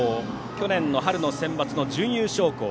去年の春のセンバツの準優勝校。